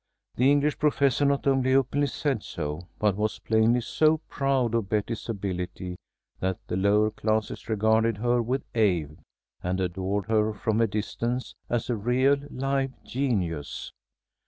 The English professor not only openly said so, but was plainly so proud of Betty's ability that the lower classes regarded her with awe, and adored her from a distance, as a real live genius.